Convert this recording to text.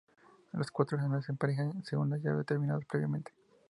Los cuatro ganadores se emparejan según las llaves determinadas previamente.